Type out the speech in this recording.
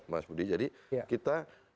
mas budi jadi kita